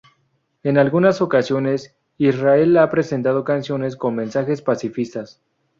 En algunas ocasiones Israel ha presentado canciones con mensajes pacifistas.